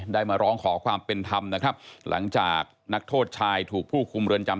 มาร้องขอความเป็นธรรมนะครับหลังจากนักโทษชายถูกผู้คุมเรือนจำ